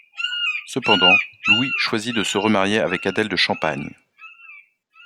Cependant, Louis choisit de se remarier avec Adèle de Champagne.